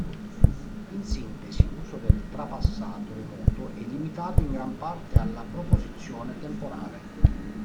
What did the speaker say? In sintesi, l'uso del trapassato remoto è limitato in gran parte alla proposizione temporale.